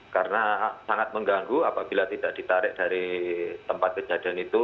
karena sangat mengganggu apabila tidak ditarik dari tempat kejadian itu